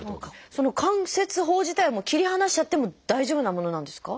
その関節包自体は切り離しちゃっても大丈夫なものなんですか？